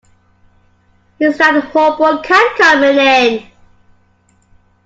Here's that horrible cat coming in!